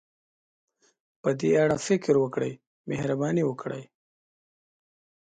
په دې اړه فکر وکړئ، مهرباني وکړئ.